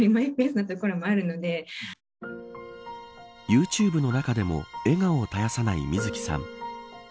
ユーチューブの中でも笑顔を絶やさないみずきさん。